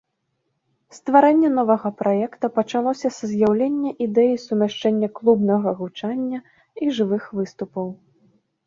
Стварэнне новага праекта пачалося са з'яўлення ідэі сумяшчэння клубнага гучання і жывых выступаў.